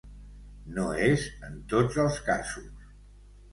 No és en tots els casos.